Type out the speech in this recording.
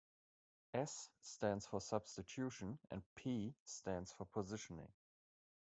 "S" stands for "substitution", and "P" stands for "positioning".